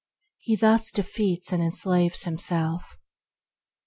He thus defeats and enslaves himself.